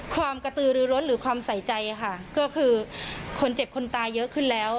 ความกระตือรือร้นหรือความใส่ใจค่ะก็คือคนเจ็บคนตายเยอะขึ้นแล้ว